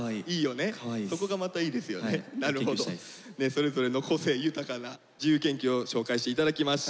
それぞれの個性豊かな自由研究を紹介していただきました。